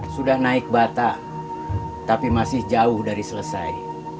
sudah naik batak tapi masih jauh dari selesai